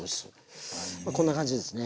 こんな感じですね。